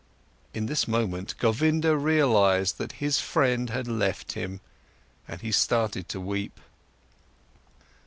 In this moment, Govinda realized that his friend had left him, and he started to weep.